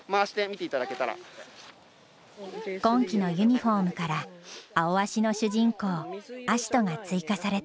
今季のユニフォームから「アオアシ」の主人公アシトが追加された。